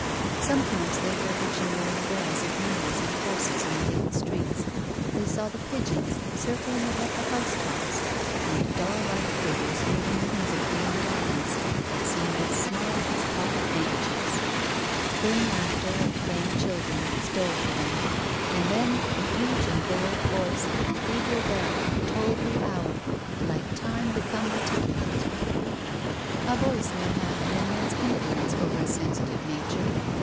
Sometimes they heard the jingling bells of mules and horses in the hidden streets; they saw the pigeons circling above the house tops, and doll like figures moving whim sically in gardens that seemed as small as pocket handkerchiefs. Thin laughter of playing children 124 TONGUES OF CONSCIENCE. stole to them. And then the huge and veiled voice of the Cathedral bell tolled the hour, like Time become articulate. A voice may have an immense influence over a sensitive nature.